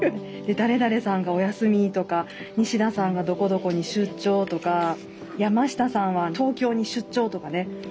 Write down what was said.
誰々さんがお休みとか西田さんがどこどこに出張とか山下さんは東京に出張とかね。